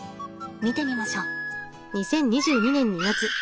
見てみましょう。